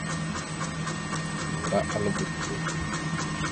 Naŋga algo te.